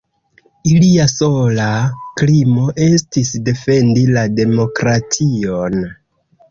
Ilia sola krimo estis defendi la demokration.